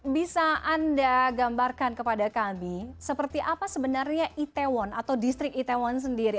bisa anda gambarkan kepada kami seperti apa sebenarnya itaewon atau distrik itaewon sendiri